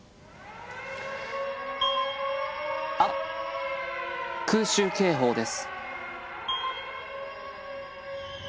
あっ空襲警報です。